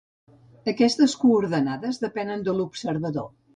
Aquestes coordenades depenen de l'observador.